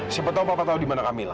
siapa tahu papa tahu di mana kamila